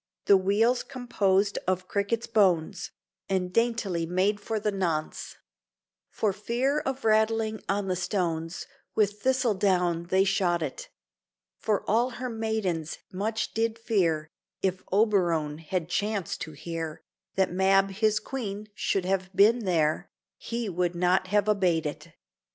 The wheels composed of crickets' bones, And daintily made for the nonce; For fear of rattling on the stones, With thistle down they shod it: For all her maidens much did fear, If Oberon had chanced to hear, That Mab his Queen should have been there, He would not have abade it.